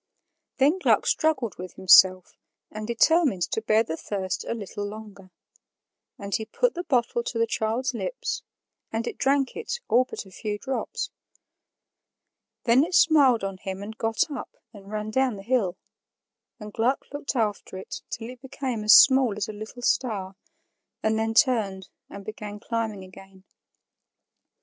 Then Gluck struggled with himself and determined to bear the thirst a little longer; and he put the bottle to the child's lips, and it drank it all but a few drops. Then it smiled on him and got up and ran down the hill; and Gluck looked after it till it became as small as a little star, and then turned and began climbing again.